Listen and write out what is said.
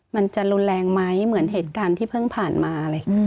มันจะรุนแรงไหมเหมือนเหตุการณ์ที่เพิ่งผ่านมาอะไร